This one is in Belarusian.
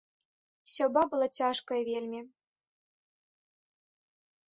Сяўба была цяжкая вельмі.